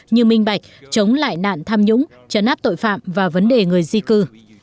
như minh bạch chống lại nạn tham nhũng chấn áp tội phạm và vấn đề người di cư